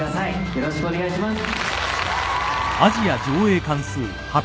よろしくお願いします。